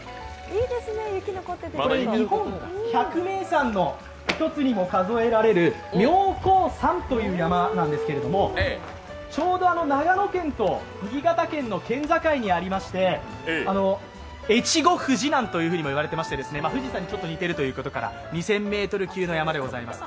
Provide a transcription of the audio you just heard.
日本百名山の一つにも数えられる妙高山という山なんですけれども、ちょうど長野県と新潟県の県境にありまして、越後富士なんていうふうにも言われていまして富士山にちょっと似ているということから、２０００ｍ級の山でございます。